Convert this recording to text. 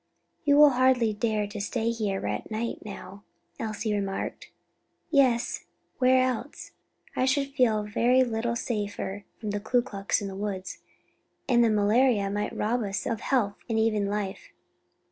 "You will hardly dare stay here at night now?" Elsie remarked. "Yes; where else? I should feel very little safer from the Ku Klux in the woods, and the malaria might rob us all of health and even life."